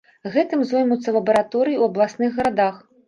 Гэтым зоймуцца лабараторыі ў абласных гарадах.